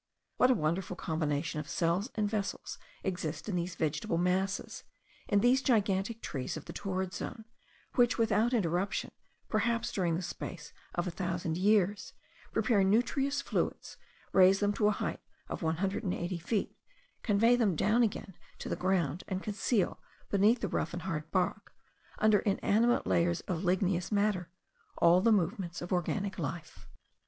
What a wonderful combination of cells and vessels exist in these vegetable masses, in these gigantic trees of the torrid zone, which without interruption, perhaps during the space of a thousand years, prepare nutritious fluids, raise them to the height of one hundred and eighty feet, convey them down again to the ground, and conceal, beneath a rough and hard bark, under inanimate layers of ligneous matter, all the movements of organic life!